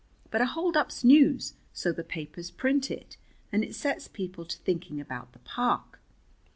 But a holdup's news, so the papers print it, and it sets people to thinking about the park.